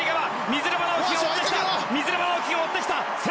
水沼尚輝が追ってきた！